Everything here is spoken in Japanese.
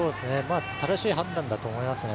正しい判断だと思いますね。